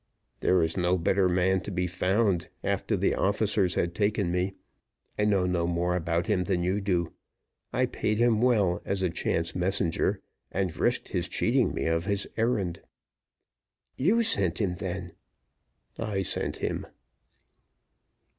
"There was no better man to be found, after the officers had taken me I know no more about him than you do I paid him well as a chance messenger, and risked his cheating me of his errand." "You sent him, then!" "I sent him."